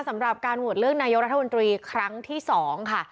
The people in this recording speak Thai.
สำหรับการโหวตเลือกนายกรัฐมนตรีครั้งที่๒ค่ะ